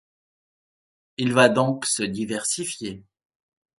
Il va donc se diversifier.